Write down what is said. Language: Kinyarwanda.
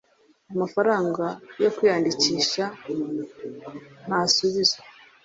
amafaranga yo kwiyandikisha ntasubizwa